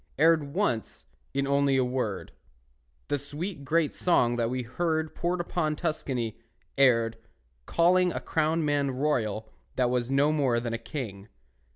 Erred once, in only a word, The sweet great song that we heard Poured upon Tuscany, erred, Calling a crowned man royal That was no more than a king.